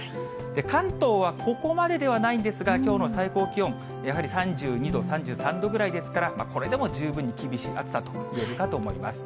関東はここまでではないんですが、きょうの最高気温、やはり３２度、３３度ぐらいですから、これでも十分に厳しい暑さと言えるかと思います。